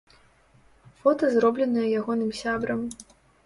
Фота зробленае ягоным сябрам.